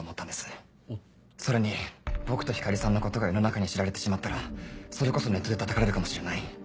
それに僕と光莉さんのことが世の中に知られてしまったらそれこそネットでたたかれるかもしれない。